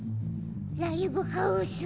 ライブハウス？